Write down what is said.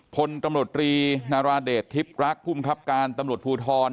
พลตำรวจรีนาราเดชทิพย์รักภูมิครับการตำรวจภูทร